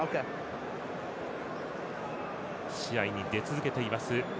試合に出続けています